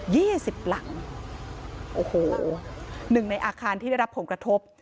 สิบหลังโอ้โหหนึ่งในอาคารที่ได้รับผลกระทบ